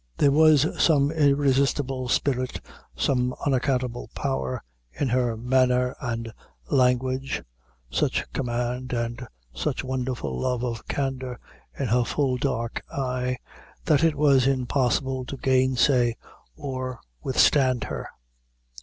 There was some irresistible spirit, some unaccountable power, in her manner and language, such command and such wonderful love of candor in her full dark eye that it was impossible to gainsay or withstand her.